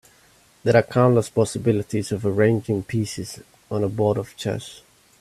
There are countless possibilities of arranging pieces on a board of chess.